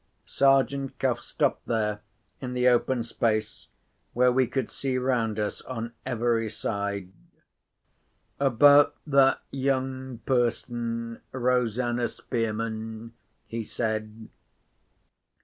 Sergeant Cuff stopped there, in the open space, where we could see round us on every side. "About that young person, Rosanna Spearman?" he said.